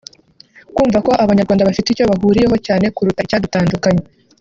kumva ko abanyarwanda bafite icyo bahuriyeho cyane kuruta icyadutandukanya